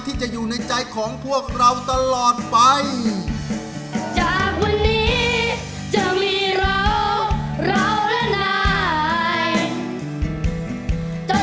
ที่จะอยู่ในใจของพวกเราตลอดไปจากวันนี้จะมีเรา